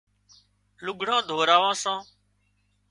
لگھڙان ڌوراوان سان